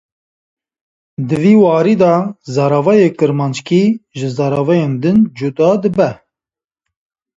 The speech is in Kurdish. Di vî warî de zaravayê kirmanckî ji zaravayên din cuda dibe